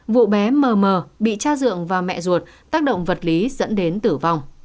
vụ bé mờ bị cha dượng và mẹ ruột tác động vật lý dẫn đến tử vong